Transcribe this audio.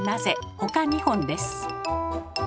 ほか２本です。